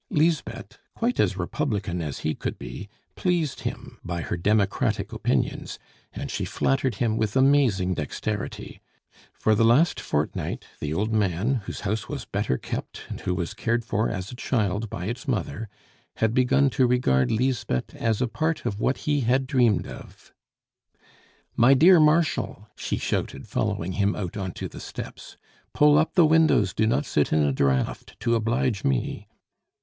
Lisbeth, quite as Republican as he could be, pleased him by her democratic opinions, and she flattered him with amazing dexterity; for the last fortnight the old man, whose house was better kept, and who was cared for as a child by its mother, had begun to regard Lisbeth as a part of what he had dreamed of. "My dear Marshal," she shouted, following him out on to the steps, "pull up the windows, do not sit in a draught, to oblige me!"